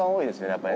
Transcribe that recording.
やっぱり。